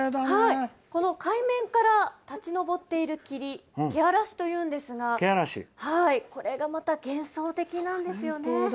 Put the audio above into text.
海面から立ち上っている霧気嵐というんですがこれが、また幻想的なんですよね。